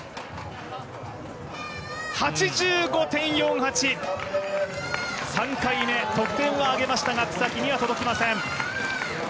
８５．４８、３回目、得点を上げましたが草木には届きません。